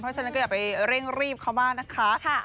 เพราะฉะนั้นก็อย่าไปเร่งรีบเขามากนะคะ